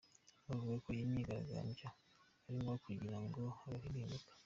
Avuga ko iyi myigaragambyo ari ngombwa kugirango habeho impinduka .